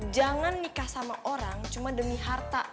jangan nikah sama orang cuma demi harta